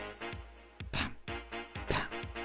パンパン！